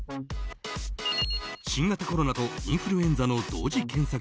新型コロナとインフルの同時検査